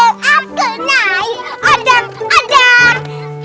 aku naik adeng adeng aku naik adeng adeng